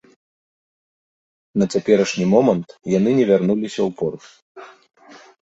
На цяперашні момант яны не вярнуліся ў порт.